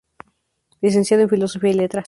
Licenciado en Filosofía y Letras.